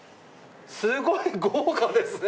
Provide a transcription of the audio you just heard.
すごい豪華ですね